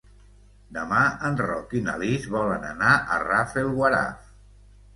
Demà en Roc i na Lis volen anar a Rafelguaraf.